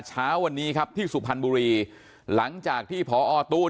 เช้าวันนี้ครับที่สุพรรณบุรีหลังจากที่พอตู้